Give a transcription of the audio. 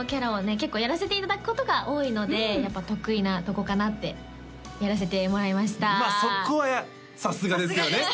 結構やらせていただくことが多いのでやっぱ得意なとこかなってやらせてもらいましたまあそこはさすがですよね